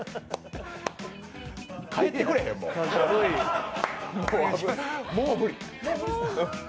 帰ってくれ、もう。